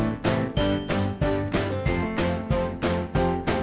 มีความสุขในที่เราอยู่ในช่องนี้ก็คือความสุขในที่เราอยู่ในช่องนี้